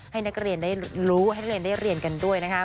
ให้นักเรียนได้รู้ให้นักเรียนได้เรียนกันด้วยนะคะ